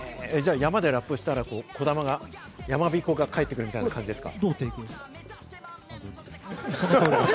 山でラップしたら、こだまが、やまびこが帰ってくるみたいな感じですか？